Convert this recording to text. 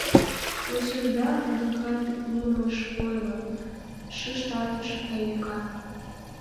— Васюшда адакат нимом ыш ойло, — шижтарыш Айвика.